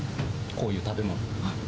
こういう食べ物。